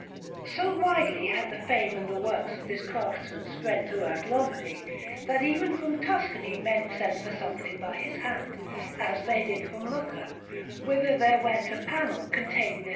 So widely had the fame and the works of this craftsman spread throughout Lombardy, that even from Tuscany men sent for something by his hand, as they did from Lucca, whither there went a panel containing a S.